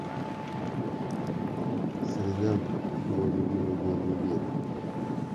Среда - мой любимый день недели.